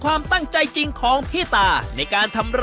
การที่บูชาเทพสามองค์มันทำให้ร้านประสบความสำเร็จ